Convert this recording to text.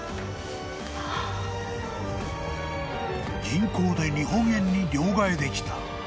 ［銀行で日本円に両替できた］